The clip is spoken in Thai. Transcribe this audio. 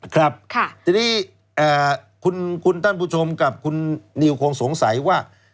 ครับทีนี้คุณท่านผู้ชมกับคุณนิวคงสงสัยว่า